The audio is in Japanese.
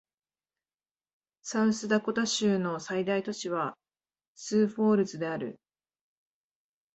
サウスダコタ州の最大都市はスーフォールズである